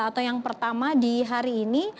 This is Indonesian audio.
atau yang pertama di hari ini